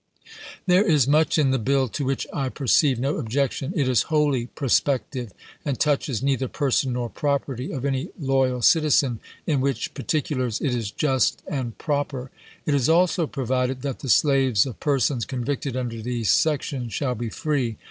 SIGNS OF THE TIMES 103 There is mucli in the bill to which I perceive no objec chap. v. tion. It is wholly prospective; and touches neither person nor property of any loyal citizen, in which partic ulars it is just and proper. ,. It is also provided that the slaves of persons convicted under these sections shall be free.